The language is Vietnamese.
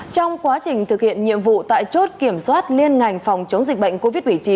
trong quá trình thực hiện nhiệm vụ tại chốt kiểm soát liên ngành phòng chống dịch bệnh covid một mươi chín